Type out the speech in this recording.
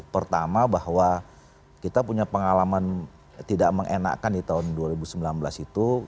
pertama bahwa kita punya pengalaman tidak mengenakan di tahun dua ribu sembilan belas itu